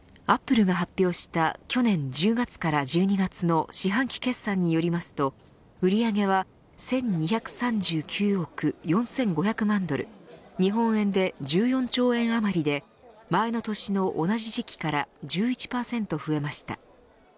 アップルが発表した去年１０月から１２月の四半期決算によりますと売り上げは１２３９億４５００万ドル日本円で１４兆円あまりで前の年の同じ時期から１１％増えました。